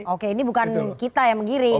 oke ini bukan kita yang menggiring